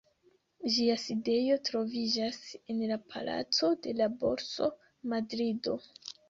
Ĝia sidejo troviĝas en la Palaco de la Borso, Madrido.